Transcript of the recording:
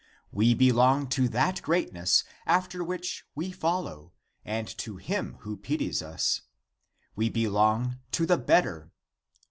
We belong to that greatness after which we follow, and to him who pities us. We belong to the better.